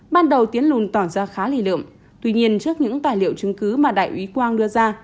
ban đầu tiến lùn tỏ ra khá lì lợm tuy nhiên trước những tài liệu chứng cứ mà đại úy quang đưa ra